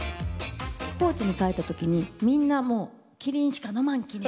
高知に帰った時にみんな麒麟しか飲まんきね！